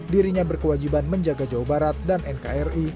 dirinya berkewajiban menjaga jawa barat dan nkri